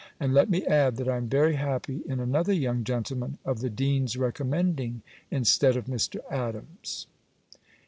And let me add, that I am very happy in another young gentleman of the dean's recommending, instead of Mr. Adams.